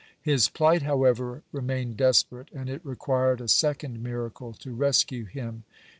His plight, however, remained desperate, and it required a second miracle to rescue him.